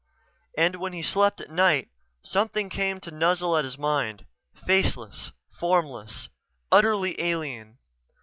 And when he slept at night something came to nuzzle at his mind; faceless, formless, utterly alien.